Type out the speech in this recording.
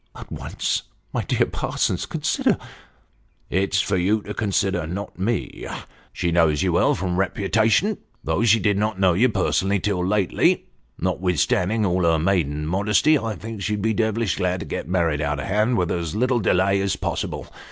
" At once ! My dear Parsons, consider." "It's for you to consider, not me. She knows you well from reputation, though she did not know you personally until lately. Notwithstanding all her maiden modesty, I think she'd be devilish glad to get married out of hand with as little delay as possible.